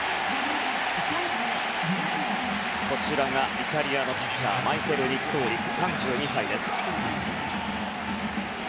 イタリアのピッチャーマイケル・ニットーリ、３２歳。